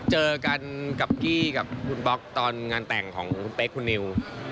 เจอกันกับกี้กับคุณบล็อกตอนงานแต่งของคุณเป๊กคุณนิว